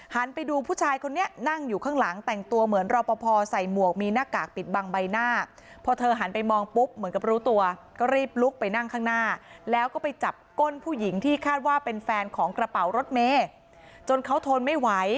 หันไปดูผู้ชายคนนี้นั่งอยู่ข้างหลังแต่งตัวเหมือนรอปภพอใส่หมวกมีหน้ากากปิดบังใบหน้า